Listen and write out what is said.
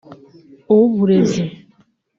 uw’Uburezi